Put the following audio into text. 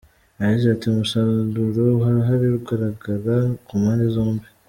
Yagize ati ‘‘Umusaruro urahari, uragaragara ku mpande zombi.